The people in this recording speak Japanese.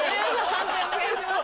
判定お願いします。